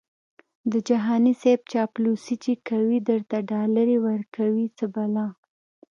د جهاني صیب چاپلوسي چې کوي درته ډالري ورکوي څه بلا🤑🤣